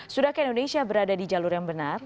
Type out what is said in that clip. sudahkah indonesia berada di jalur yang benar